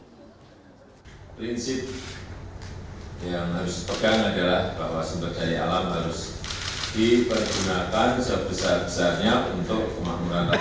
prinsip yang harus dipegang adalah bahwa sumber daya alam harus dipergunakan sebesar besarnya untuk kemakmuran rakyat